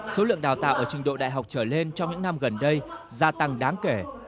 số lượng đào tạo ở trình độ đại học trở lên trong những năm gần đây gia tăng đáng kể